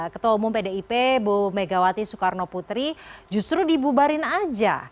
ketua umum pdip bu megawati soekarno putri justru dibubarin aja